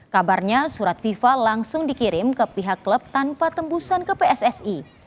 kabarnya surat fifa langsung dikirim ke pihak klub tanpa tembusan ke pssi